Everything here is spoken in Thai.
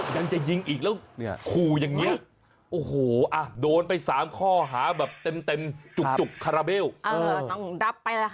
มันน่ากลัวไหมล่ะ